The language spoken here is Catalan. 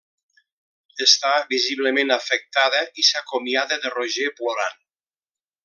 Està visiblement afectada i s'acomiada de Roger plorant.